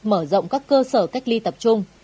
mở rộng các cơ sở cách ly tập trung